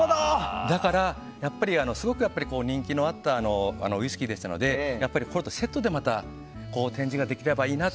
だから、すごく人気のあったウイスキーでしたのでこれとセットで展示ができればいいなと。